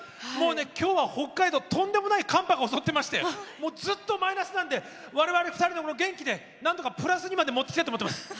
今日は北海道にとんでもない襲っていましてずっとマイナスなので我々２人で、元気でプラスに持っていきたいと思っています。